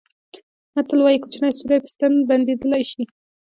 متل وایي کوچنی سوری په ستن بندېدلای شي.